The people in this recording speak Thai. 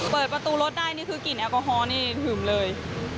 เปิดประตูรถได้กลิ่นแอลกอฮอร์ถึงเลย